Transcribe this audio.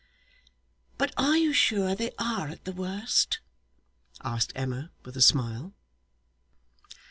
'But are you sure they are at the worst?' asked Emma with a smile.